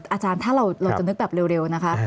อาจารย์ถ้าเราจะนึกแบบเร็วนะคะ